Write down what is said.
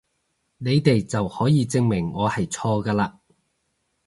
你哋就可以證明我係錯㗎嘞！